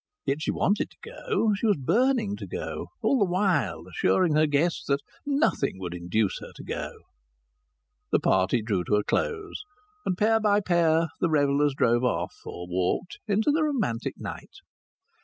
Yet she wanted to go; she was burning to go, all the while assuring her guests that nothing would induce her to go. The party drew to a close, and pair by pair the revellers drove off, or walked, into the romantic night.